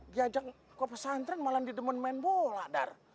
diajak ke pesantren malah di demen main bola dar